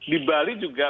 di bali juga